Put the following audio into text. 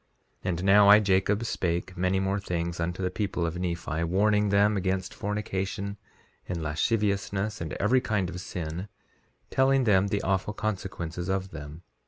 3:12 And now I, Jacob, spake many more things unto the people of Nephi, warning them against fornication and lasciviousness, and every kind of sin, telling them the awful consequences of them.